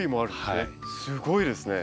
すごいですね。